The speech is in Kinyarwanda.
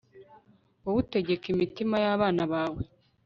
wowe utegeka, imitima y'abana bawe